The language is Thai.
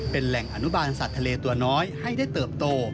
เป็นแหล่งอนุบาลสัตว์ทะเลตัวน้อยให้ได้เติบโต